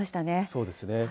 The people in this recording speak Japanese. そうですね。